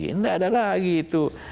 tidak ada lagi itu